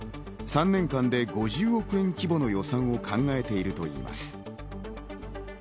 ３年間で５０億円規模の予算を考えているといいます。